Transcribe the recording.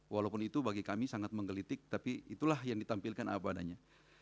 walaupun itu bagi kami sangat menggelitik tapi itulah yang ditampilkan apa adanya